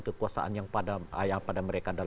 kekuasaan yang pada mereka